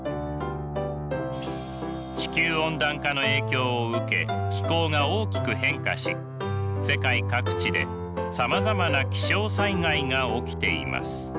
地球温暖化の影響を受け気候が大きく変化し世界各地でさまざまな気象災害が起きています。